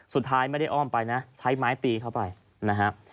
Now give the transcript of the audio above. สุดท้ายไม่ได้อ้อมไปนะใช้ไม้ตีเข้าไปนะฮะ